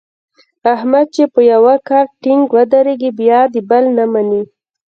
احمد چې په یوه کار ټینګ ودرېږي بیا د بل نه مني.